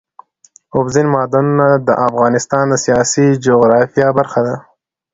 اوبزین معدنونه د افغانستان د سیاسي جغرافیه برخه ده.